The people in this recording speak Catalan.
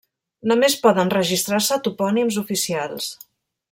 Només poden registrar-se topònims oficials.